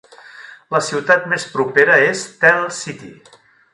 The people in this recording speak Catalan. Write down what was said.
La ciutat més propera és Tell City.